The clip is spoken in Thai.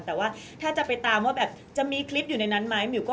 แต่ว่าถ้าจะไปตามว่าแบบจะมีคลิปอยู่ในนั้นไหม